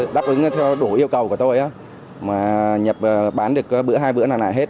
đáp ứng theo đủ yêu cầu của tôi á mà nhập bán được bữa hai bữa nào nãy hết